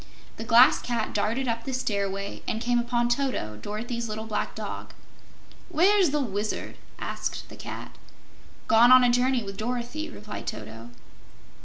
The Glass Cat darted up the stairway and came upon Toto, Dorothy's little black dog. "Where's the Wizard?" asked the Cat. "Gone on a journey with Dorothy," replied Toto.